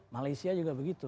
malaysia juga begitu